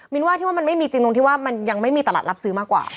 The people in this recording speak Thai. ว่าที่ว่ามันไม่มีจริงตรงที่ว่ามันยังไม่มีตลาดรับซื้อมากกว่า